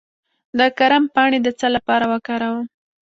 د کرم پاڼې د څه لپاره وکاروم؟